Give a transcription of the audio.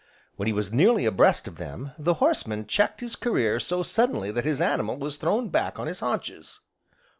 When he was nearly abreast of them, the horse man checked his career so suddenly that his animal was thrown back on his haunches.